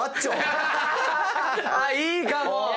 いいかも！